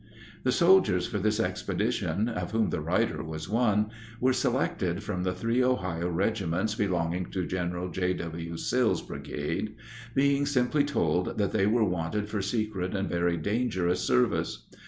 The soldiers for this expedition, of whom the writer was one, were selected from the three Ohio regiments belonging to General J.W. Sill's brigade, being simply told that they were wanted for secret and very dangerous service.